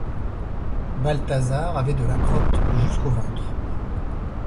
Balthazar avait de la crotte jusqu’au ventre.